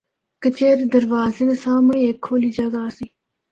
کچہری دروازے دے سامنڑیں ہک کھلی جگہ آسی۔